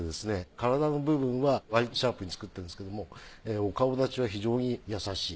体の部分は割とシャープに作ってるんですけれどもお顔立ちは非常に優しい。